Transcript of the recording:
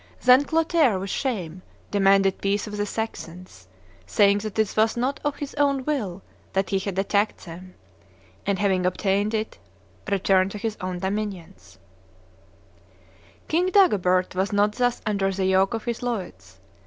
Then Clotaire with shame demanded peace of the Saxons, saying that it was not of his own will that he had attacked them; and, having obtained it, returned to his own dominions." (Gregory of Tours, III. xi., xii.; IV. xiv.) King Dagobert was not thus under the yoke of his "leudes."